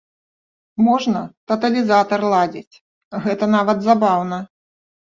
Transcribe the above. Можна таталізатар ладзіць, гэта нават забаўна.